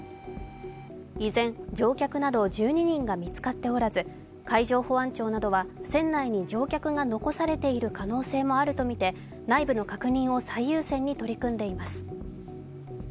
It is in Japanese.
依然、乗客など１２人が見つかっておらず海上保安庁などは船内に乗客が残されている可能性もあるとみて内部の確認を最優先に取り組んでいます。